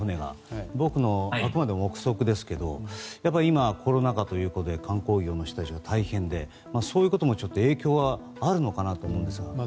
僕の、あくまでも憶測ですけどやっぱり今コロナ禍ということで観光業の人たちも大変でそういうことも影響はあるのかなと思うんですが。